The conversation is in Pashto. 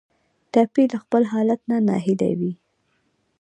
ټپي له خپل حالت نه ناهیلی وي.